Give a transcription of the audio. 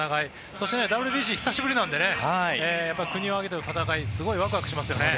そしてＷＢＣは久しぶりなので国を挙げての戦いすごいワクワクしますよね。